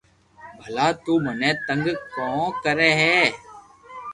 ڀلا تو مني تنگ ڪو ڪري ھيي